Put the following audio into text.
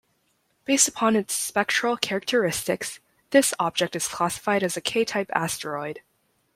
Based upon its spectral characteristics, this object is classified as a K-type asteroid.